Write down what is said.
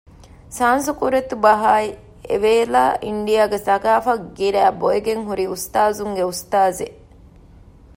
ސާންސުކުރިތުބަހާއި އެވޭލާ އިންޑިއާގެ ސަގާފަތް ގިރައިބޮއިގެން ހުރި އުސްތާޒުންގެ އުސްތާޒެއް